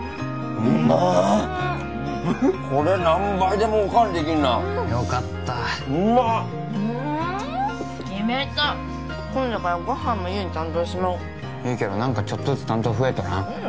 うんっこれ何杯でもおかわりできんなよかったうまっうんっ決めた今度からご飯も優に担当してもらおういいけど何かちょっとずつ担当増えとらん？